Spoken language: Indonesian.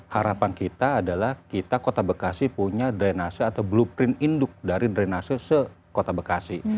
harapan kita adalah kita kota bekasi punya drainase atau blueprint induk dari drenase se kota bekasi